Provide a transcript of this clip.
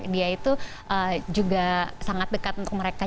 dia itu juga sangat dekat untuk mereka